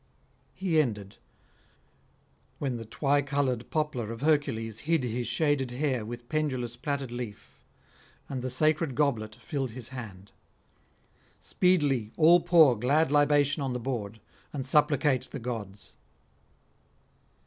He ended; when the twy coloured poplar of Hercules hid his shaded hair with pendulous plaited leaf, and the sacred goblet filled his hand. Speedily all pour glad libation on the board, and supplicate the gods.